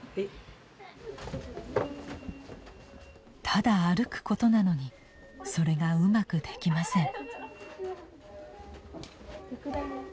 ただ歩くことなのにそれがうまくできません。